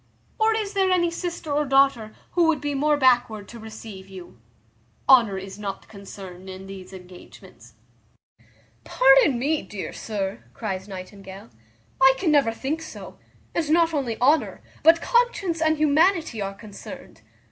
or is there any sister or daughter who would be more backward to receive you? Honour is not concerned in these engagements." "Pardon me, dear sir," cries Nightingale, "I can never think so; and not only honour, but conscience and humanity, are concerned.